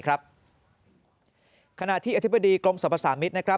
ขณะที่อธิบดีกรมสรรพสามิตร